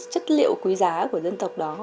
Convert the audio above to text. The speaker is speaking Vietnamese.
chất liệu quý giá của dân tộc đó